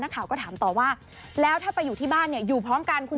ข่าวก็ถามต่อว่าแล้วถ้าไปอยู่ที่บ้านเนี่ยอยู่พร้อมกันคุณ